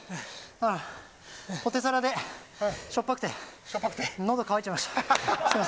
ポテサラでしょっぱくて喉渇いちゃいました。